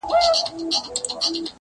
کاڼی مي د چا په لاس کي وليدی.